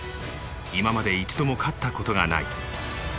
今まで一度も勝ったことがない。